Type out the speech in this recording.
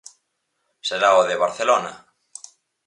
Será o de Barcelona.